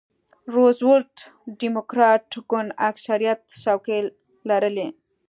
روزولټ ډیموکراټ ګوند اکثریت څوکۍ لرلې.